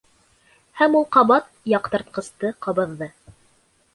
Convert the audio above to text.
Һәм ул ҡабат яҡтыртҡсты ҡабыҙҙы.